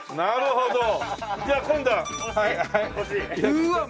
うわっ